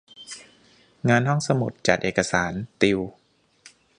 งานห้องสมุด จัดเอกสาร ติว